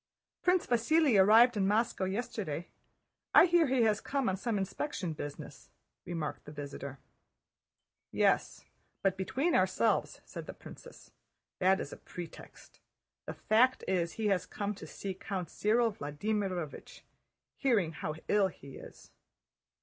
"Prince Vasíli arrived in Moscow yesterday. I hear he has come on some inspection business," remarked the visitor. "Yes, but between ourselves," said the princess, "that is a pretext. The fact is he has come to see Count Cyril Vladímirovich, hearing how ill he is."